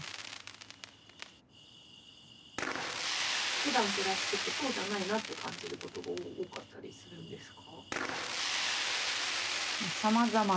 ・ふだん暮らしててそうじゃないなって感じることが多かったりするんですか？